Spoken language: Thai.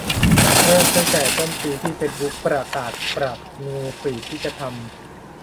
เริ่มตั้งแต่ต้นปีที่เฟซบุ๊กประกาศปรับนิวส์ฟีดที่จะทำ